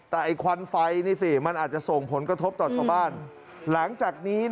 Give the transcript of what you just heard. แต่ไอ้ควันไฟนี่สิมันอาจจะส่งผลกระทบต่อชาวบ้าน